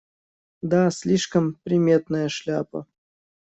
Да, слишком приметная шляпа.